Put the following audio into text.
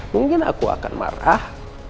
mungkin aku akan marah